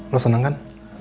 lo seneng kan